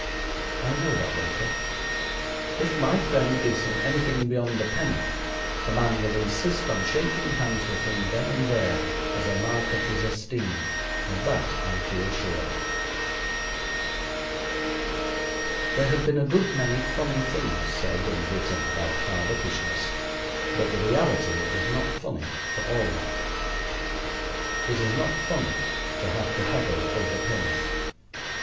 I know that waiter. If my friend gives him anything beyond a penny, the man will insist on shaking hands with him then and there as a mark of his esteem; of that I feel sure. There have been a good many funny things said and written about hardupishness, but the reality is not funny, for all that. It is not funny to have to haggle over pennies.